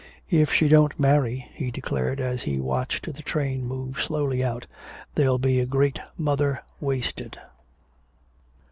"If she don't marry," he declared, as he watched the train move slowly out, "there'll be a great mother wasted."